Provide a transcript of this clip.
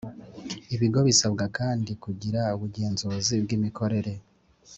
Ibigo bisabwa kandi kugira ubugenzuzi bw’imikorere